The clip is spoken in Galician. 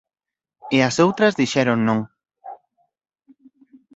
E as outras dixeron non.